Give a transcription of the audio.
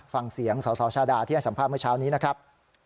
ฟังเสียงสสชาดาที่ให้สัมภาษณ์เมื่อเช้านี้นะครับ